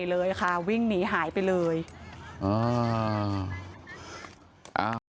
เจ้าแม่น้ำเจ้าแม่น้ำ